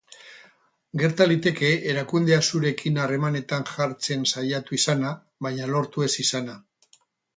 Gerta liteke erakundea zurekin harremanetan jartzen saiatu izana, baina lortu ez izana.